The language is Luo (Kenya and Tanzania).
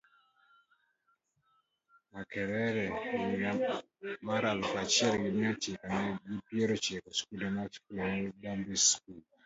Makerere higa maraluf achiel gimiya chiko gi \piero chiko. Skunde mag sekondar, Dambiza School.